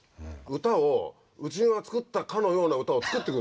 歌をうちが作ったかのような歌を作ってくるんですよ。